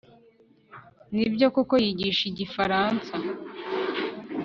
nibyo koko yigisha igifaransa